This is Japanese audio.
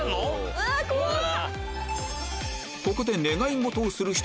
うわ怖っ！